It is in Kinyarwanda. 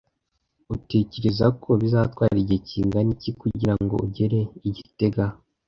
Utekereza ko bizatwara igihe kingana iki kugirango ugere i gitega?